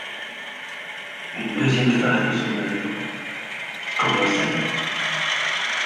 Une deuxième phase de son œuvre commence alors.